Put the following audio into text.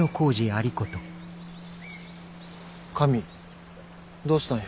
髪どうしたんや。